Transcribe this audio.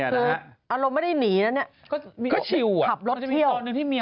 คืออารมณ์ไม่ได้หนีนะเนี่ย